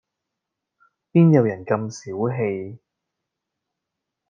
邊有人咁小器